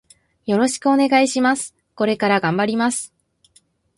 よろしくお願いします。これから頑張ります。